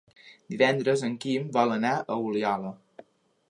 Divendres en Quim vol anar a Oliola.